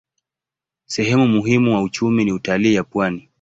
Sehemu muhimu wa uchumi ni utalii ya pwani.